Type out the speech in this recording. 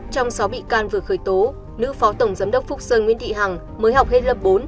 trong sáu bị can vừa khởi tố nữ phó tổng giám đốc phúc sơn nguyễn thị hằng mới học hết lớp bốn